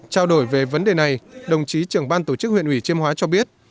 trao đổi về vấn đề này đồng chí trưởng ban tổ chức huyện ủy chiêm hóa cho biết